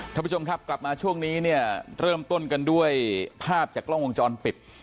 ท่านผู้ชมครับกลับมาช่วงนี้เนี่ยเริ่มต้นกันด้วยภาพจากกล้องวงจรปิด